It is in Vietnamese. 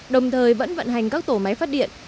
đồng thời vẫn vận hành các tổ máy phát điện